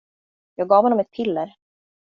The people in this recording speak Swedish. Jag gav honom ett piller.